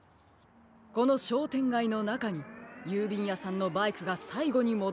このしょうてんがいのなかにゆうびんやさんのバイクがさいごにもどるところがありますよ。